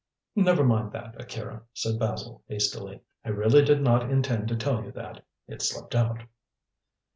"Never mind that, Akira," said Basil hastily; "I really did not intend to tell you that. It slipped out."